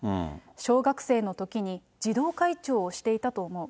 小学生のときに、児童会長をしていたと思う。